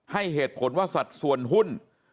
ให้เหตุผลว่าสัดส่วนหุ้น